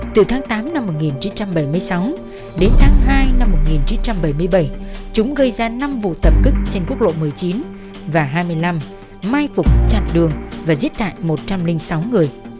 từ tháng tám năm một nghìn chín trăm bảy mươi sáu đến tháng hai năm một nghìn chín trăm bảy mươi bảy chúng gây ra năm vụ tập kích trên quốc lộ một mươi chín và hai mươi năm mai phục chặn đường và giết hại một trăm linh sáu người